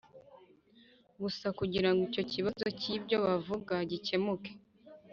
gusa kugira ngo icyo kibazo cy ibyo bavuga gikemuke